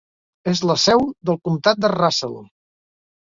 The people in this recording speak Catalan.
És la seu del comtat de Russell.